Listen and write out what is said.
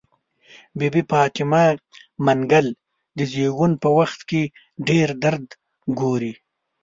بي بي فاطمه منګل د زيږون په وخت کې ډير درد ګوري.